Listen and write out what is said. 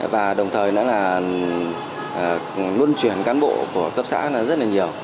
và đồng thời luôn truyền cán bộ của cấp xã rất nhiều